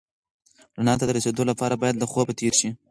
رڼا ته د رسېدو لپاره باید له خوبه تېر شې.